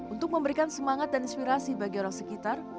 untuk memberikan semangat dan inspirasi bagi orang sekitar